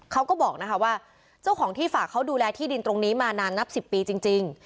เขาก็บอกนะคะว่าเจ้าของที่ฝากเขาดูแลที่ดินตรงนี้มานานนับ๑๐ปีจริง